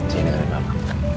sini dengerin papa